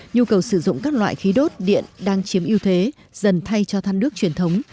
nhu cầu sử dụng các loại khí đốt điện đang chiếm ưu thế dần thay cho than nước truyền thống